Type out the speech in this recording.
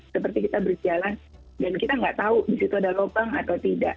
seperti kita berjalan dan kita nggak tahu di situ ada lubang atau tidak